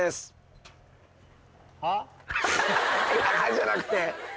じゃなくて。